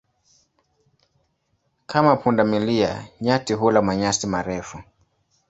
Kama punda milia, nyati hula manyasi marefu.